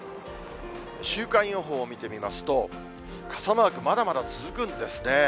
週間予報を見てみますと、傘マーク、まだまだ続くんですね。